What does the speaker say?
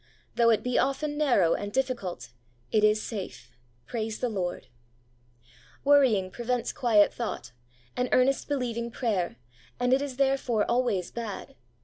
Though it be often narrow and diffi cult, it is safe. Praise the Lord ! Worrying prevents quiet thought, and earnest believing prayer, and it is, therefore, always bad.